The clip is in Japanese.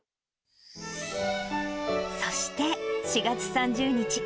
そして４月３０日。